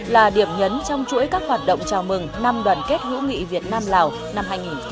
là điểm nhấn trong chuỗi các hoạt động chào mừng năm đoàn kết hữu nghị việt nam lào năm hai nghìn một mươi chín